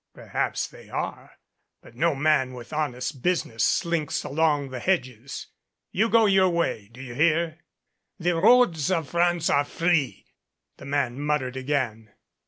"Perhaps they are. But no man with honest business slinks along the hedges. You go your way, do you hear?" "The roads of France are free," the man muttered again.